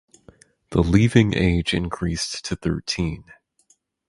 The leaving age increased to thirteen.